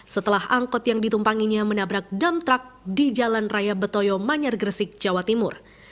setelah angkot yang ditumpanginya menabrak dump truck di jalan raya betoyo manyar gresik jawa timur